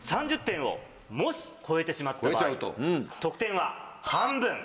３０点をもし超えてしまった場合得点は半分。